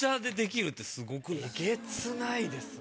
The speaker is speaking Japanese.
えげつないですね。